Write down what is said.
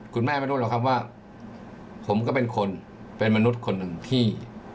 ไม่รู้หรอกครับว่าผมก็เป็นคนเป็นมนุษย์คนหนึ่งที่